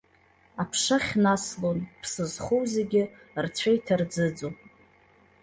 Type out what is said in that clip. Аԥшахь наслон, ԥсы зхоу зегьы рцәа иҭарӡыӡо.